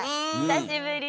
久しぶり。